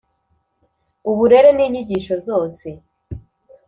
Uburere ni inyigisho zose